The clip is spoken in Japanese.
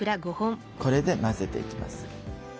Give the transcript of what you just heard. これで混ぜていきます。